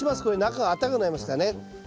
これ中があったかくなりますからね。